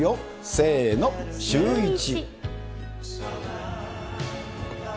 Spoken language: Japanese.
せーの、シューイチ。